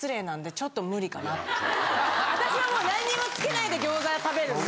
私はもう何にもつけないで餃子食べるんで。